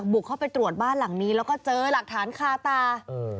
บุกเข้าไปตรวจบ้านหลังนี้แล้วก็เจอหลักฐานคาตา